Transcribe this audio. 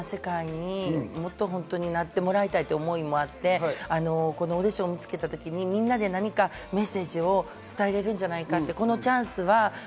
やっぱり多様な世界になってもらいたいって思いもあってオーディションを見つけた時に、みんなで何かメッセージを伝えられるんじゃないかって。